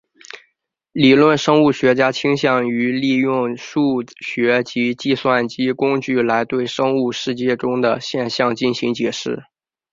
理论生物学家倾向于利用数学及计算机工具来对生物世界中的现象进行解释。